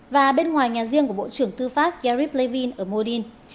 và bên ngoài nhà riêng của bộ trưởng tư pháp garib levin ở modin